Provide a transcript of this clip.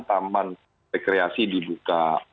taman rekreasi dibuka